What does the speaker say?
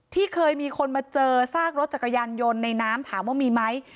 ที่เคยมีคนมาเจอซากรถจักรยานยนต์ในน้ำถามว่ามีไหม